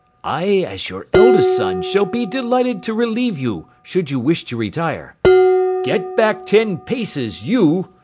"I, as your eldest son, shall be delighted to relieve you should you wish to retire. Get back ten paces, you!"